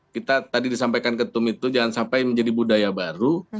kita tadi disampaikan ketum itu jangan sampai menjadi budaya baru